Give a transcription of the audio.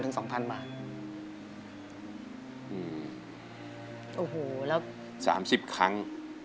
อเจมส์โอ้โหแล้วอเจมส์๓๐ครั้ง๓๐๐๐๐